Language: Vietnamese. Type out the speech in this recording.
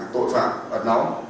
tội phạm ẩn nóng